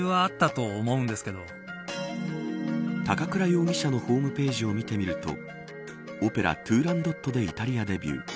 高倉容疑者のホームページを見てみるとオペラ、トゥーランドットでイタリアでデビュー。